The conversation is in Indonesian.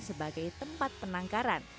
sebagai tempat penangkaran